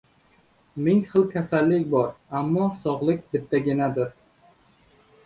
Ming xil kasallik bor, ammo sog‘lik bittaginadir.